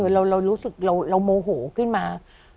เรารู้สึกเราโมโหขึ้นมา